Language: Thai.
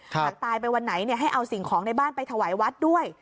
หากตายไปวันไหนให้เอาสิ่งของในบ้านไปถวายวัดด้วย